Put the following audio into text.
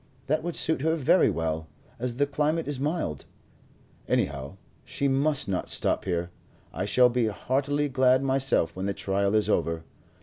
That would suit her very well, as the climate is mild. Anyhow, she must not stop here. I shall be heartily glad myself when the trial is over.